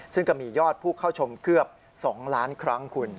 ซึ่งก็มียอดผู้เข้าชมเกือบ๒ล้านครั้งคุณ